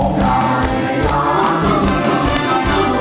ร้องได้ให้ร้าน